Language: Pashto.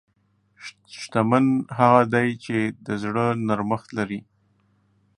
شتمن هغه دی چې د زړه نرمښت لري.